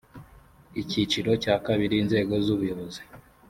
icyiciro cya ii inzego z’ ubuyobozi